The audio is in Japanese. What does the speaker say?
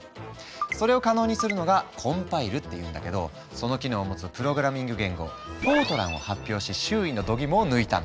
それを可能にするのが「コンパイル」っていうんだけどその機能を持つプログラミング言語「ＦＯＲＴＲＡＮ」を発表し周囲のどぎもを抜いたんだ。